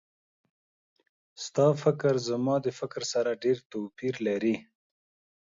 ستا فکر زما د فکر سره ډېر توپیر لري